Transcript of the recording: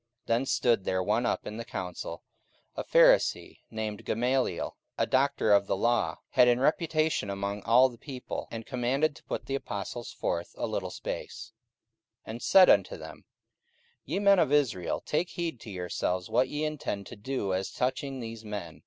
44:005:034 Then stood there up one in the council, a Pharisee, named Gamaliel, a doctor of the law, had in reputation among all the people, and commanded to put the apostles forth a little space; 44:005:035 And said unto them, Ye men of Israel, take heed to yourselves what ye intend to do as touching these men.